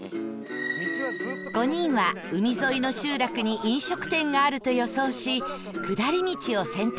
５人は海沿いの集落に飲食店があると予想し下り道を選択